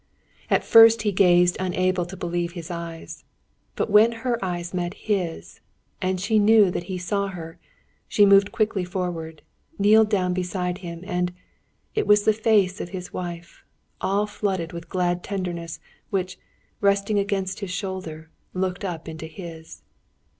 At first he gazed, unable to believe his eyes. But, when her eyes met his, and she knew that he saw her, she moved quickly forward, kneeled down beside him, and it was the face of his wife, all flooded with glad tenderness, which, resting against his shoulder, looked up into his.